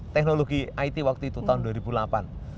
teknologi it waktu itu tahun dua ribu delapan